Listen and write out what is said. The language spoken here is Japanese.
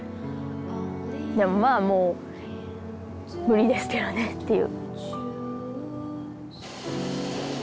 でもまあもう無理ですけどねっていう。